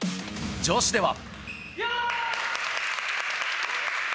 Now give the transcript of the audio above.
女子では。